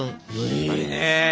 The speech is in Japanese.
いいね！